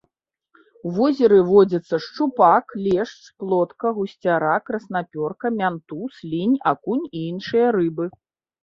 У возеры водзяцца шчупак, лешч, плотка, гусцяра, краснапёрка, мянтуз, лінь, акунь і іншыя рыбы.